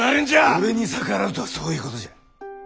俺に逆らうとはそういうことじゃ。